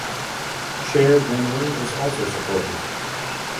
Shared memory is also supported.